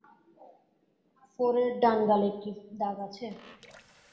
ফোরের ডান গালে কি দাগ আছে?